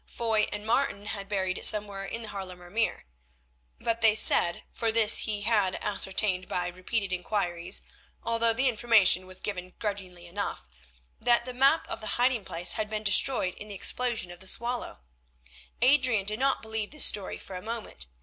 Foy and Martin had buried it somewhere in the Haarlemer Meer. But they said, for this he had ascertained by repeated inquiries, although the information was given grudgingly enough, that the map of the hiding place had been destroyed in the explosion on the Swallow. Adrian did not believe this story for a moment.